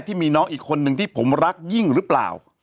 ที่มีน้องอีกคนนึงที่ผมรักยิ่งหรือเปล่า